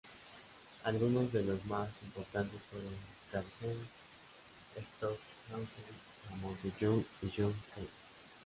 Algunos de los más importantes fueron Karlheinz Stockhausen, La Monte Young y John Cage.